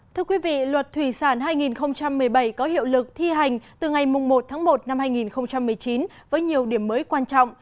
thưa quý vị luật thủy sản hai nghìn một mươi bảy có hiệu lực thi hành từ ngày một tháng một năm hai nghìn một mươi chín với nhiều điểm mới quan trọng